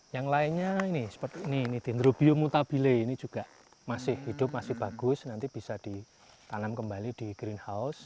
yang lainnya ini seperti ini ini dendrobium mutabile ini juga masih hidup masih bagus nanti bisa ditanam kembali di greenhouse